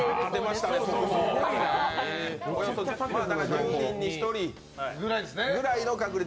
１０人に１人ぐらいの確率。